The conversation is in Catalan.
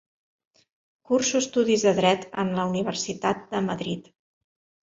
Curso estudis de Dret en la Universitat de Madrid.